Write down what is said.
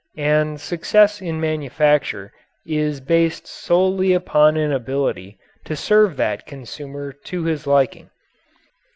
And success in manufacture is based solely upon an ability to serve that consumer to his liking.